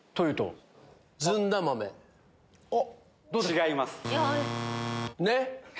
違います。